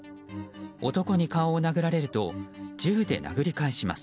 男に顔を殴られると銃で殴り返します。